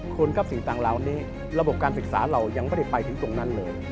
คุณครับสิ่งต่างเหล่านี้ระบบการศึกษาเรายังไม่ได้ไปถึงตรงนั้นเลย